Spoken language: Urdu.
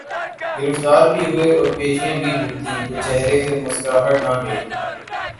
گرفتار بھی ہوئے اورپیشیاں بھی بھگتیں تو چہرے سے مسکراہٹ نہ گئی۔